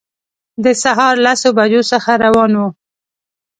د سهار لسو بجو څخه روان وو.